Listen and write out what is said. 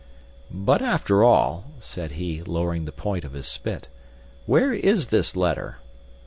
"But, after all," said he, lowering the point of his spit, "where is this letter?"